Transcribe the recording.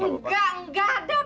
lebih baik lemari